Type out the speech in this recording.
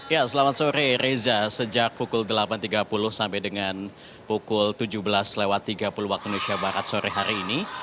ya selamat sore reza sejak pukul delapan tiga puluh sampai dengan pukul tujuh belas tiga puluh waktu indonesia barat sore hari ini